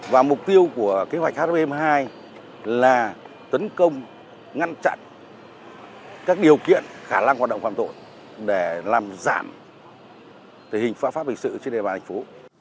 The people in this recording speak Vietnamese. và mục tiêu của kế hoạch h ba mươi hai là tấn công ngăn chặn các điều kiện khả năng hoạt động phạm tội để làm giảm tình hình phạm pháp hình sự trên địa bàn thành phố